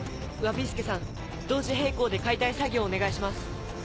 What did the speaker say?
侘助さん同時並行で解体作業お願いします。